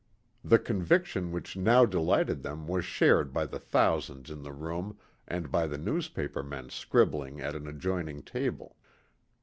The conviction which now delighted them was shared by the thousands in the room and by the newspaper men scribbling at an adjoining table.